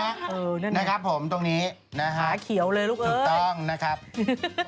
เออนั่นนะครับผมตรงนี้นะครับถูกต้องนะครับขาเขียวเลยลูกเอ้ย